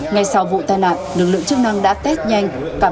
ngay sau vụ tai nạn lực lượng chức năng đã test nhanh